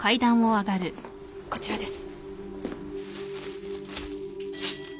こちらです。